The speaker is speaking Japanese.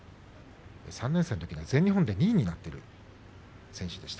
３年生のときは全日本で２位になっている選手でした。